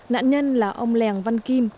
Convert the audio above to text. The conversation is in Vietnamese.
nạn nhân là ông lèng văn kim